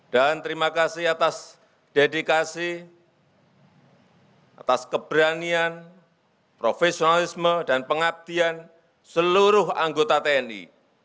dan terima kasih atas dedikasi atas keberanian profesionalisme dan pengabdian seluruh anggota tni